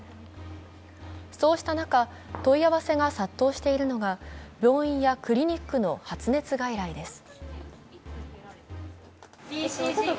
そうした中問い合わせが殺到しているのが病院やクリニックの発熱外来です。